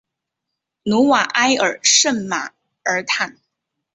努瓦埃尔圣马尔坦。